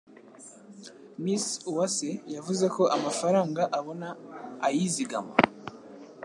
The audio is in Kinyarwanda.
Miss Uwase yavuze ko amafaranga abona ayizigama